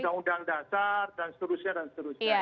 undang undang dasar dan seterusnya dan seterusnya